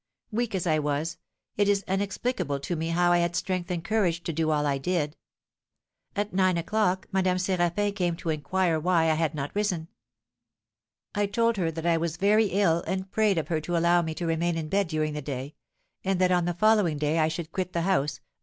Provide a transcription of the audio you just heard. Weak as I was, it is inexplicable to me how I had strength and courage to do all I did. At nine o'clock Madame Séraphin came to inquire why I had not risen. I told her that I was so very ill, and prayed of her to allow me to remain in bed during the day, and that on the following day I should quit the house, as M.